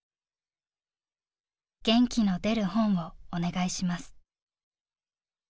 「元気の出る本をお願いします」。